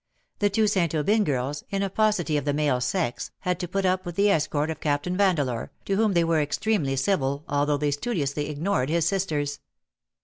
The two St. Aubyn girls, in a paucity of the male sex, had to put up with the escort of Captain Vandeleur, to whom they were extremely civil, although they studiously ignored his sisters.